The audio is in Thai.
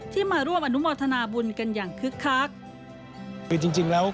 ที่มาร่วมอนุมอธนาบุญกันอย่างคึกคัก